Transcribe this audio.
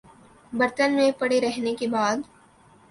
برتن میں پڑے رہنے کے بعد